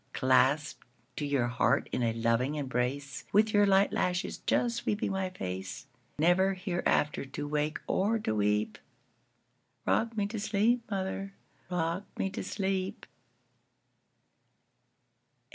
Clasped to your heart in a loving embrace, With your light lashes just sweeping my face, Never hereafter to wake or to weep;—Rock me to sleep, mother,—rock me to sleep!